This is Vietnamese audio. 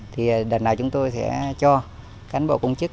thì đợt nào chúng tôi sẽ cho cán bộ công chức